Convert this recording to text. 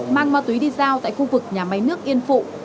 mang ma túy đi giao tại khu vực nhà máy nước yên phụ